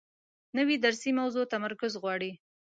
نوې درسي موضوع تمرکز غواړي